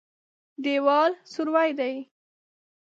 دېوال سوری دی.